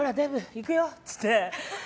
行くよ！って言って。